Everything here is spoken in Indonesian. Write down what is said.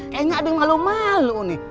kayaknya ada yang malu malu nih